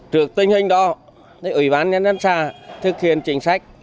trước tình hình đó ủy ban nhân dân xã thực hiện chính sách